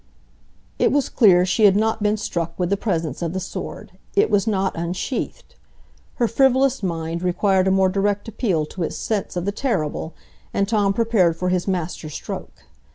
It was clear she had not been struck with the presence of the sword,—it was not unsheathed. Her frivolous mind required a more direct appeal to its sense of the terrible, and Tom prepared for his master stroke.